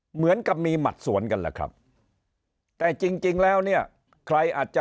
เหมือนกับมีหมัดสวนกันแหละครับแต่จริงแล้วเนี่ยใครอาจจะ